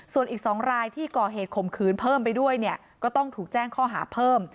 ส่วนอีก๒รายที่ก่อเหตุข่มขืนเพิ่มไปด้วยเนี่ยก็ต้องถูกแจ้งข้อหาเพิ่ม